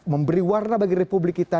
memberi warna bagi republik kita